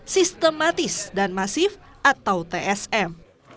sistematis dan masif atau tsm